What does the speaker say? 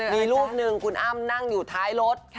มีรูปหนึ่งคุณอ้ำนั่งอยู่ท้ายรถ